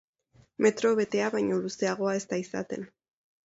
Metro betea baino luzeago ez da izaten.